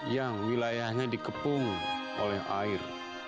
yang wilayahnya dikepung oleh air